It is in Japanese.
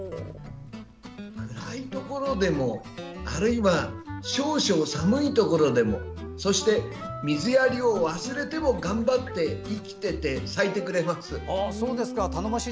暗いところでもあるいは少々寒いところでもそして水やりを忘れても頑張って生きてて咲いてくれます。